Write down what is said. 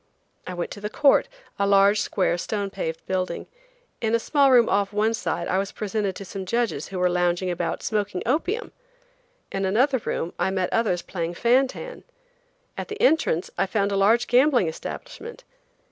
I went to the court, a large, square, stone paved building. In a small room off one side I was presented to some judges who were lounging about smoking opium! In still another room I met others playing fan tan! At the entrance I found a large gambling establishment!